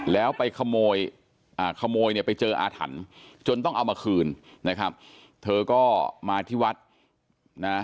แล้วไปขโมยอ่าขโมยเนี่ยไปเจออาถรรพ์จนต้องเอามาคืนนะครับเธอก็มาที่วัดนะ